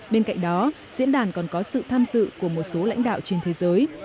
bên cạnh đó diễn đàn còn có sự tham dự của một số lãnh đạo trên thế giới